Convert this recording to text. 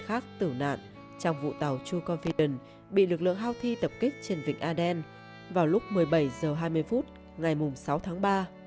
các thuyền viên khác tử nạn trong vụ tàu true confidence bị lực lượng hao thi tập kích trên vịnh aden vào lúc một mươi bảy h hai mươi ngày sáu tháng ba